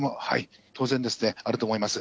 当然ですね、あると思います。